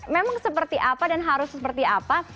memang seperti apa dan harus seperti apa